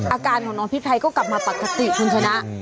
อาการของน้องพริกไทยก็กลับมาปกติคุณชนะ